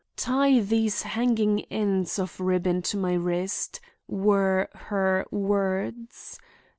'Tie these hanging ends of ribbon to my wrist,' were her words.